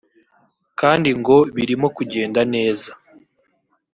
kandi ngo birimo kugenda neza